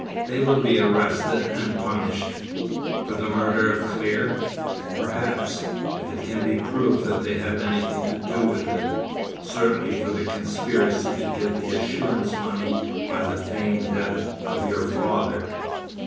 They will be arrested and punished." "For the murder of Clear?" "Perhaps, if it can be proved that they have anything to do with it; certainly for the conspiracy to get the assurance money by the feigned death of your father."